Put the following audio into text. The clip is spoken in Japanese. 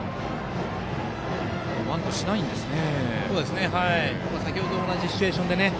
バントしないんですね。